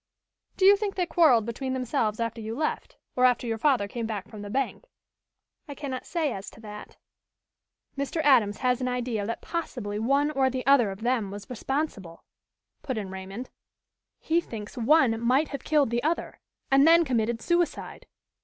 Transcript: "Do you think they quarreled between themselves after you left, or after your father came back from the bank?" "I cannot say as to that." "Mr. Adams has an idea that possibly one or the other of them was responsible," put in Raymond. "He thinks one might have killed the other and then committed suicide."